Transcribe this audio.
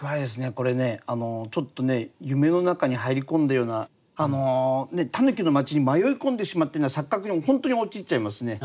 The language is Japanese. これねちょっと夢の中に入り込んだような狸の町に迷い込んでしまったような錯覚に本当に陥っちゃいますね。